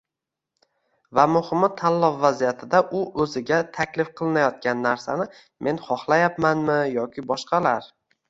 Va muhimi, tanlov vaziyatida u o‘ziga “taklif qilnayotgan narsani men xohlayapmanmi yoki boshqalar?”